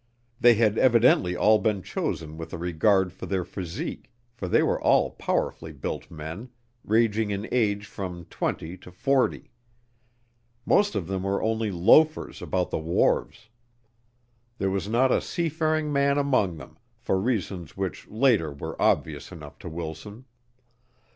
They had evidently all been chosen with a regard for their physique, for they were all powerfully built men, ranging in age from twenty to forty. Most of them were only loafers about the wharves. There was not a seafaring man among them, for reasons which later were obvious enough to Wilson.